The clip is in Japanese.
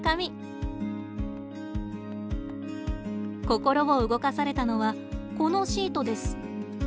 心を動かされたのはこのシートです。